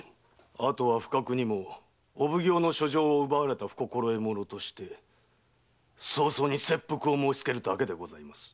あとは不覚にもお奉行の書状を奪われた不心得者として早々に切腹を申しつけるだけでございます。